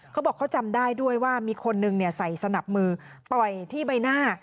เขาบอกเขาจำได้ด้วยว่ามีคนนึงใส่สนับมือต่อยที่ใบหน้า